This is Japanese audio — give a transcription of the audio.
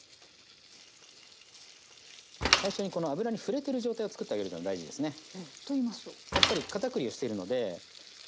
最初にこの油に触れてる状態を作ってあげるのが大事ですね。と言いますと？